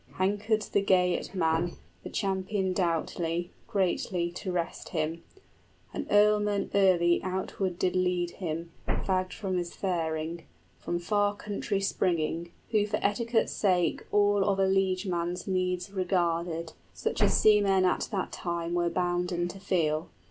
Hankered the Geatman, {Beowulf is fagged, and seeks rest.} The champion doughty, greatly, to rest him: An earlman early outward did lead him, 50 Fagged from his faring, from far country springing, Who for etiquette's sake all of a liegeman's Needs regarded, such as seamen at that time Were bounden to feel.